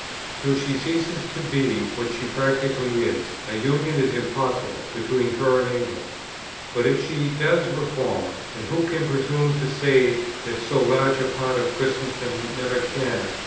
Till she ceases to be what she practically is, a union is impossible between her and England; but, if she does reform, (and who can presume to say that so large a part of Christendom never can?)